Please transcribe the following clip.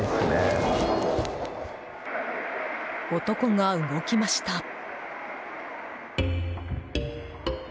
男が動きました。